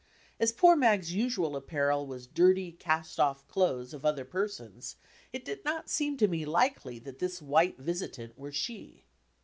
As poor Mag's usual apparel was dirty, cast off clothes of other per sons, it did not seem to me likely that this white visitant were she.